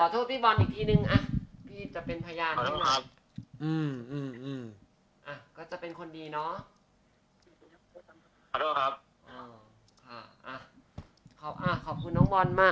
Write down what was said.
จากจะเป็นพยายาม